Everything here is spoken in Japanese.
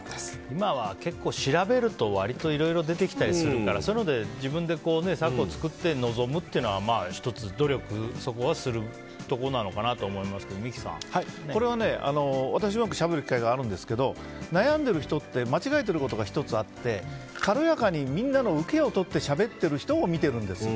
今は結構調べると割といろいろ出てきたりするからそういうので自分で策を作って臨むというのは１つ、努力するところなのかなと思いますが私よくしゃべる機会があるんですけど悩んでる人って間違えてることが１つあって軽やかにみんなのウケをとってしゃべっている人を見ているんですよ。